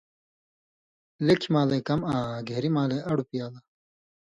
لیٙکھیۡ مالے کم آں گھین٘ری مالے اڑوۡ پیالہ